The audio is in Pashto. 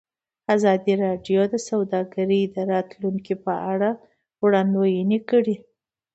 ازادي راډیو د سوداګري د راتلونکې په اړه وړاندوینې کړې.